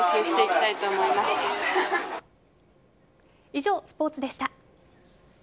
以上、スポーツでした。